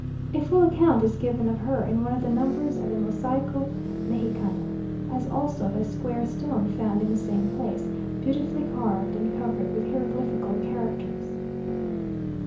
A full account is given of her in one of the numbers of the "Mosaico Megicano," as also of a square stone found in the same place, beautifully carved, and covered with hieroglyphical characters.